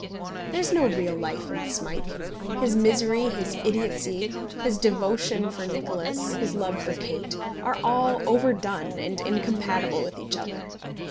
There is no real life in Smike. His misery, his idiotcy, his devotion for Nicholas, his love for Kate, are all overdone and incompatible with each other.